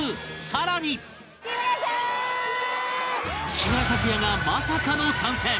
木村拓哉がまさかの参戦